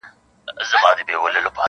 • پر سجده ورته پراته وای عالمونه -